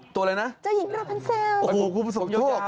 ตัวอะไรนะเจ้าหญิงราพันเซลล์โอ้โหคุณผู้ชม